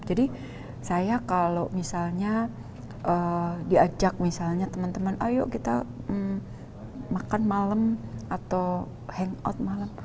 jadi saya kalau misalnya diajak teman teman ayo kita makan malam atau hangout malam